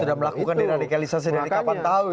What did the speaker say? sudah melakukan deradikalisasi dari kapan tahu